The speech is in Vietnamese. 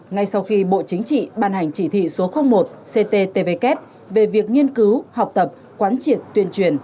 ngay sau khi bộ chính trị ban hành chỉ thị số một cttvk về việc nghiên cứu học tập quán triệt tuyên truyền